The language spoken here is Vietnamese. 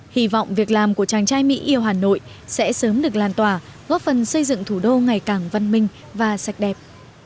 hy vọng việc làm của chàng trai mỹ yêu hà nội sẽ sớm được lan tỏa góp phần xây dựng thủ đô ngày càng văn minh và sạch đẹp